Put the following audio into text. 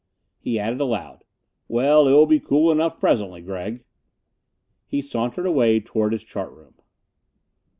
He added aloud, "Well, it will be cool enough presently, Gregg." He sauntered away toward his chart room.